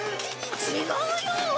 違うよ！